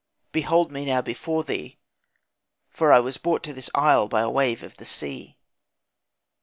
Behold me now before thee, for I was brought to this isle by a wave of the sea.'